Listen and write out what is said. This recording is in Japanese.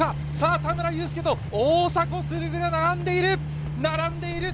田村友佑と大迫傑が並んでいる！